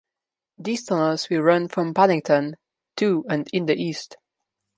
These tunnels will run from Paddington to and in the east.